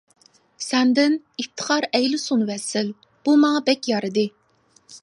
سەندىن ئىپتىخار ئەيلىسۇن ۋەسىل بۇ ماڭا بەك يارىدى!